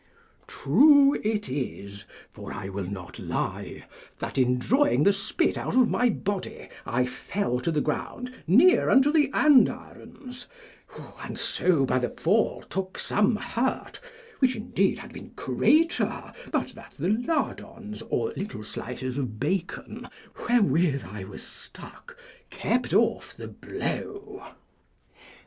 True it is, for I will not lie, that, in drawing the spit out of my body I fell to the ground near unto the andirons, and so by the fall took some hurt, which indeed had been greater, but that the lardons, or little slices of bacon wherewith I was stuck, kept off the blow.